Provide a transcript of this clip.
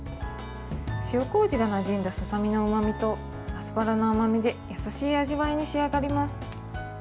塩こうじがなじんだささみのうまみとアスパラの甘みで優しい味わいに仕上がります。